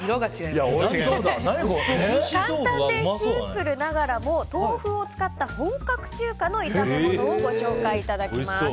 簡単でシンプルながらも本格中華な豆腐を使った炒め物をご紹介いただきます。